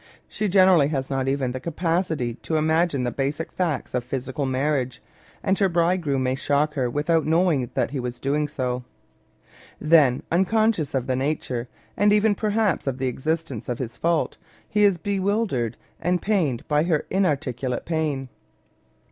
She generally has not even the capacity to imagine the basic facts of physical marriage, and her bridegroom may shock her without knowing that he was domg so. Then, unconscious of the nature, and even perhaps of the existence of his fault, he is bewildered and pained by her inarticulate pain.